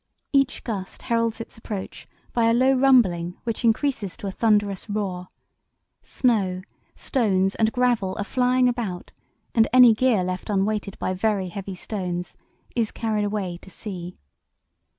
Each gust heralds its approach by a low rumbling which increases to a thunderous roar. Snow, stones, and gravel are flying about, and any gear left unweighted by very heavy stones is carried away to sea."